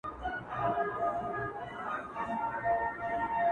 رمې څنګه دلته پايي وطن ډک دی د لېوانو!